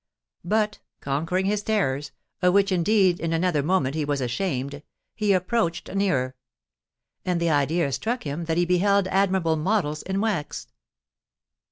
But, conquering his terrors, of which indeed in another moment he was ashamed, he approached nearer: and the idea struck him that he beheld admirable models in wax.